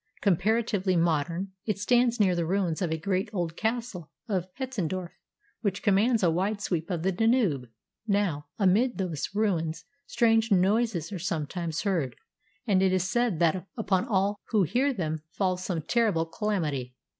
Comparatively modern, it stands near the ruins of a great old castle of Hetzendorf, which commands a wide sweep of the Danube. Now, amid those ruins strange noises are sometimes heard, and it is said that upon all who hear them falls some terrible calamity.